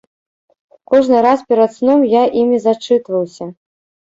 Кожны раз перад сном я імі зачытваўся.